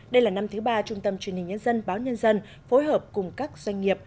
đây là năm thứ ba trung tâm truyền hình nhân dân báo nhân dân phối hợp cùng các doanh nghiệp